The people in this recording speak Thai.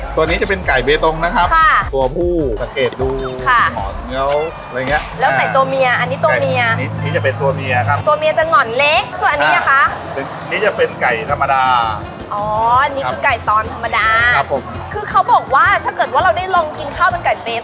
ตัวนี้จะเป็นไก่เบตตงนะครับตัวผู้สะเกดดูหอดเนี๊ยวอะไรอย่างเงี้ย